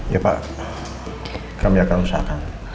ya pak kami akan usahakan